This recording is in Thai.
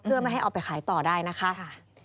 เพื่อไม่ให้เอาไปขายต่อได้นะคะ